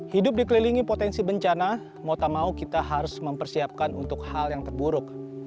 hidup dikelilingi potensi bencana mau tak mau kita harus mempersiapkan untuk hal yang terburuk